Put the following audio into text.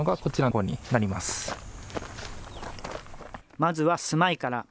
まずは住まいから。